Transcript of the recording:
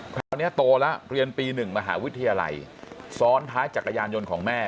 คราวนี้โตแล้วเรียนปี๑มหาวิทยาลัยซ้อนท้ายจักรยานยนต์ของแม่